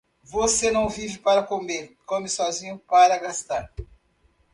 Você não vive para comer, come sozinho para gastar.